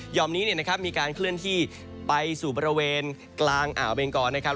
นี้นะครับมีการเคลื่อนที่ไปสู่บริเวณกลางอ่าวเบงกรนะครับ